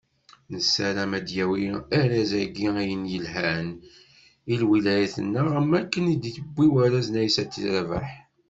Nessarem ad d-yawi warraz-agi ayen yelhan i lwilaya-nneɣ, am wakken i t-yewwi warraz n Aysat Rabaḥ.